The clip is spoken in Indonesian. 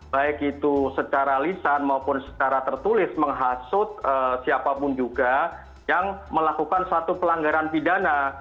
baik itu secara lisan maupun secara tertulis menghasut siapapun juga yang melakukan suatu pelanggaran pidana